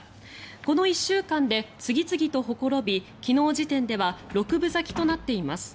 この１週間で次々とほころび昨日時点では六分咲きとなっています。